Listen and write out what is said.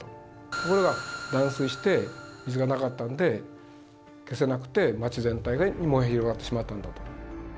ところが断水して水がなかったので消せなくて町全体に燃え広がってしまったんだと。